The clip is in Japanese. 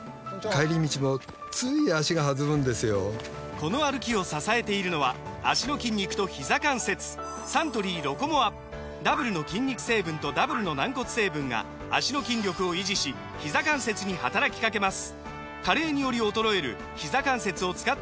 この歩きを支えているのは脚の筋肉とひざ関節サントリー「ロコモア」ダブルの筋肉成分とダブルの軟骨成分が脚の筋力を維持しひざ関節に働きかけます加齢により衰えるひざ関節を使った動きをスムーズにすることが報告されています